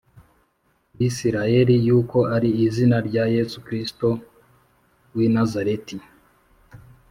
Bisirayeli yuko ari izina rya yesu kristo w i nazareti